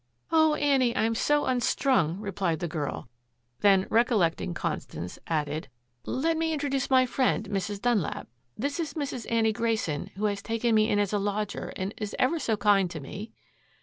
"Oh, Annie, I'm so unstrung," replied the girl, then recollecting Constance, added, "let me introduce my friend, Mrs. Dunlap. This is Mrs. Annie Grayson, who has taken me in as a lodger and is ever so kind to me."